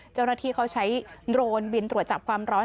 เจ้าหน้าที่เขาใช้โดรนบินตรวจจับความร้อน